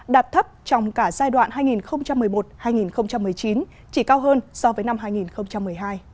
đạt thấp trong cả giai đoạn hai nghìn một mươi một hai nghìn một mươi chín chỉ cao hơn so với năm hai nghìn một mươi hai